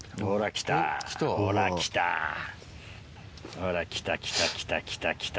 ほら来た来た来た来た来た。